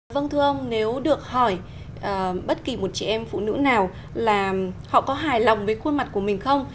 vâng thưa ông nếu được hỏi bất kỳ một chị em phụ nữ nào là họ có hài lòng với khuôn mặt của mình không